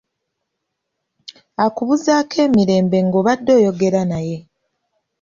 Akubuzaako emirembe ng'obadde oyogera naye